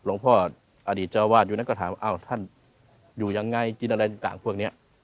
พ่ออดีตเจ้าวาดอยู่นั้นก็ถามว่าอ้าวท่านอยู่ยังไงกินอะไรต่างพวกนี้